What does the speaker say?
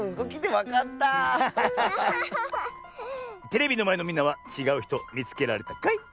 テレビのまえのみんなはちがうひとみつけられたかい？